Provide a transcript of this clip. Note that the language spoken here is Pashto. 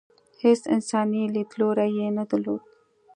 هېڅ انساني لیدلوری یې نه درلود.